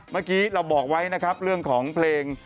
เมื่อกี้เราบอกไว้นะครับเรื่องของเพลง